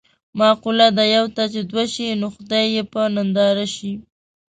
مقوله ده: یوه ته چې دوه شي نو خدای یې په ننداره شي.